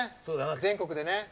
全国でね。